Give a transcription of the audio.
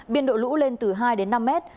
biên độ lũ lên từ hai đến năm mét